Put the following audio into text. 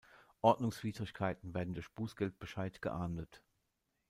Ordnungswidrigkeiten werden durch Bußgeldbescheid geahndet.